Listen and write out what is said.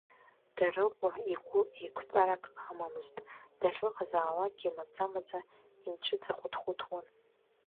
Дарыҟәа игәы еиқәтәарак амамызт, дахьыҟазаалакгьы маӡа-маӡа инцәыҵахәыҭ-хәыҭуан.